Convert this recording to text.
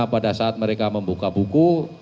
pada saat mereka membuka buku